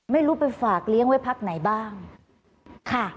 ไม่รู้ไปฝากเลี้ยงไว้พักไหนบ้างค่ะ